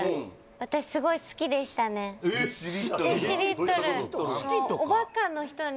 私すごい好きでしたねえっ